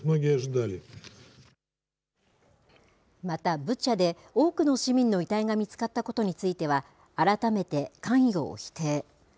また、ブチャで多くの市民の遺体が見つかったことについては、改めて関与を否定。